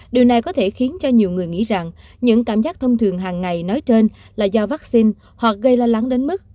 điều này có thể khiến cho nhiều người nghĩ rằng những cảm giác thông thường hàng ngày nói trên là do vaccine hoặc gây lo lắng đến mức